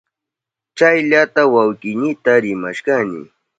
Chayllata wawkiynita rimashkani.